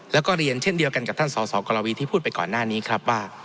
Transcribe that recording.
แล้วก็เรียนเช่นเดียวกันกับท่านสสกรวีที่พูดไปก่อนหน้านี้ครับว่า